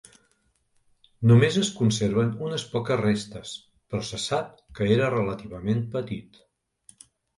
Només es conserven unes poques restes, però se sap que era relativament petit.